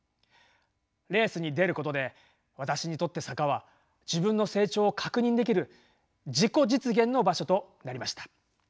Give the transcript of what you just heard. レースに出ることで私にとって坂は自分の成長を確認できる自己実現の場所となりました。